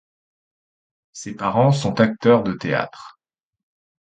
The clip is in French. Ses parents sont acteurs de théâtre.